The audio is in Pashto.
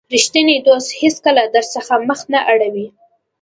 رښتینی دوست هیڅکله درڅخه مخ نه اړوي.